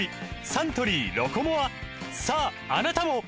サントリー「ロコモア」さああなたも！